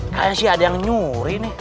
kayaknya sih ada yang nyuri nih